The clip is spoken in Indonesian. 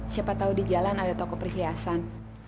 siapa tahu di jalan ada toko perhiasan